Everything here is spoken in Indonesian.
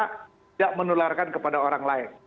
tidak menularkan kepada orang lain